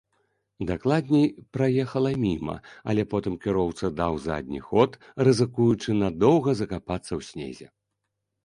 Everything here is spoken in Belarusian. Дакладней, праехала міма, але потым кіроўца даў задні ход, рызыкуючы надоўга закапацца ў снезе.